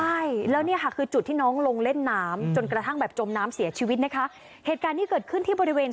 ใช่แล้วเนี่ยค่ะคือจุดที่น้องลงเล่นน้ำจนกระทั่งแบบจมน้ำเสียชีวิตนะคะเหตุการณ์ที่เกิดขึ้นที่บริเวณ